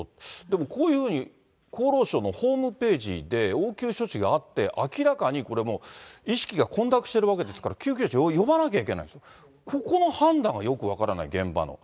でもこういうふうに厚労省のホームページで、応急処置があって、明らかにこれもう意識が混濁しているわけですから、救急車を呼ばなきゃいけない、ここの判断がよく分からない、現場の。